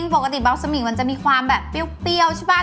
ปกติปุ๊กสมิวมันจะมีความเปรี้ยวใช้ป้า